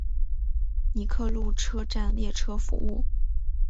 尼克路车站列车服务。